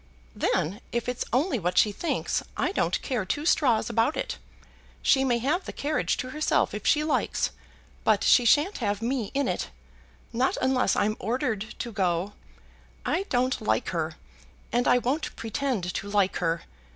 "Then, if it's only what she thinks, I don't care two straws about it. She may have the carriage to herself if she likes, but she shan't have me in it, not unless I'm ordered to go. I don't like her, and I won't pretend to like her.